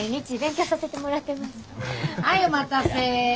はいお待たせ。